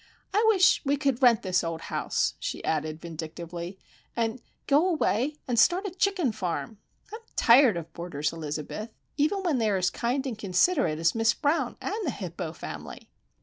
"I wish we could rent this old house," she added, vindictively, "and go away, and start a chicken farm! I'm tired of boarders, Elizabeth;—even when they are as kind and considerate as Miss Brown and the Hippo family!"